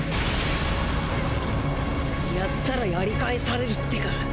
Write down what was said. やったらやり返されるってか。